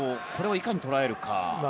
いかに捉えるか。